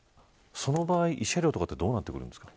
その場合、慰謝料とかってどうなってくるんですか。